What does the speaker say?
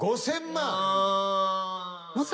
７，０００万。